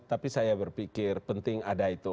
tapi saya berpikir penting ada itu